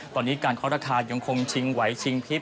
ตอนนี้การเคาะราคายังคงชิงไหวชิงพิษ